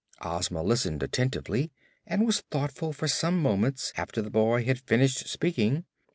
Ozma listened attentively and was thoughtful for some moments after the boy had finished speaking.